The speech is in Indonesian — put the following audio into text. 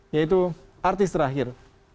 yaitu artis terakhir